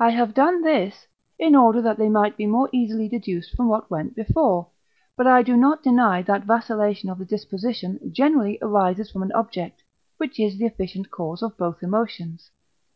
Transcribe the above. I have done this, in order that they might be more easily deduced from what went before; but I do not deny that vacillation of the disposition generally arises from an object, which is the efficient cause of both emotions.